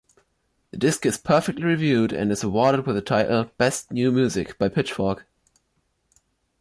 The disk is perfectly reviewed and is awarded with the title “Best New Music” by Pitchfork.